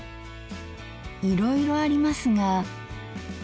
いろいろありますが。